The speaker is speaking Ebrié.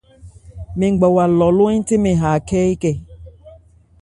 Mɛn ngbawa lɔ ló-hɛ́nthé mɛn ha Akhɛ́ ékɛ.